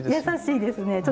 優しいですね。